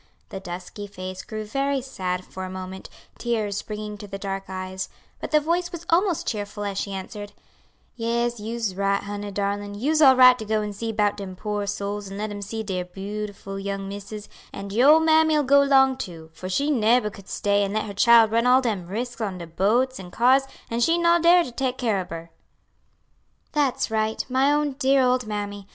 The dusky face grew very sad for a moment, tears springing to the dark eyes; but the voice was almost cheerful as she answered, "Yes, you's right, honey darlin' you's all right to go and see 'bout dem poor souls and let 'em see dere beau'ful young missus; and your ole mammy 'll go 'long too, for she neber could stay and let her chile run all dem risks on de boats an' cars an' she no dar to take care ob her." "That's right, my own dear old mammy.